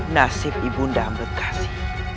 nasib ibu muda ampetkasi